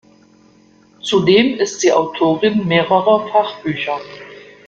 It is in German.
Zudem ist sie Autorin mehrerer Fachbücher.